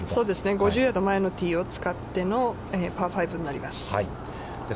５０ヤード前のティーを使ってのパー５になります。